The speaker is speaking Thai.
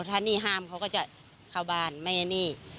ถ้านี่ห้ามเขาก็จะเข้าบ้านไม่ให้หนี้